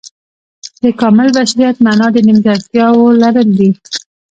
د کامل بشریت معنا د نیمګړتیاو لرل دي.